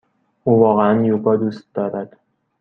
او واقعا یوگا دوست دارد.